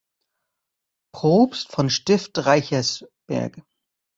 Propst von Stift Reichersberg.